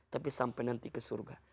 tapi sampai nanti ke surga